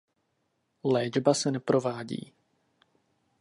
Léčba se neprovádí.